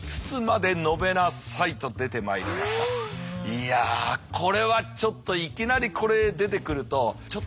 いやこれはちょっといきなりこれ出てくるとちょっと驚きますよね。